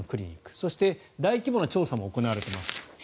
そして、大規模な調査も行われています。